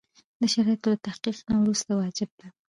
د شرایطو له تحقق نه وروسته واجب ده.